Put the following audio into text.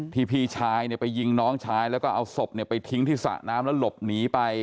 พี่ชายไปยิงน้องชายแล้วก็เอาศพไปทิ้งที่สระน้ำแล้วหลบหนีไป